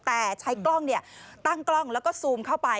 แต่ใช้กล้องตั้งกล้องแล้วก็ซูมเข้าไป